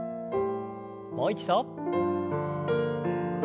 もう一度。